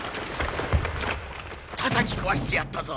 たたき壊してやったぞ。